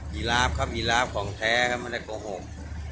ยีลาฟครับยีลาฟของแท้ครับไม่ได้โกหก